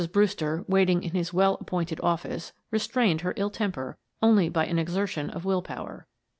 Brewster, waiting in his well appointed office, restrained her ill temper only by an exertion of will power.